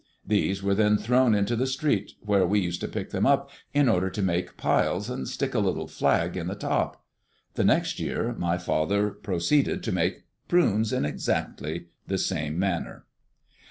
These were then thrown into the street, where we used to pick them up, in order to make piles and stick a little flag in the top. The next year my father proceeded to make prunes in precisely the same manner.